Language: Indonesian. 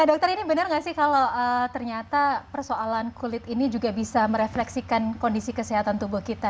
dokter ini benar nggak sih kalau ternyata persoalan kulit ini juga bisa merefleksikan kondisi kesehatan tubuh kita